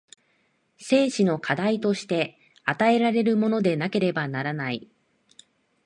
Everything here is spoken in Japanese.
生死の課題として与えられるものでなければならない。